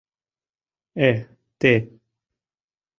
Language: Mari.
Эх, те!